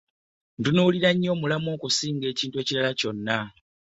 ntunuulira nnyo omulamwa okusinga ekintu ekirala kyonna.